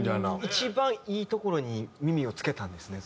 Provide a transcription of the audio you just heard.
一番いいところに耳をつけたんですね